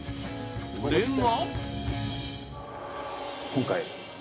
それが。